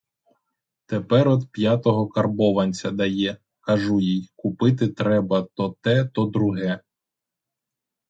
Тепер от п'ятого карбованця дає; кажу їй: купити треба то те, то друге.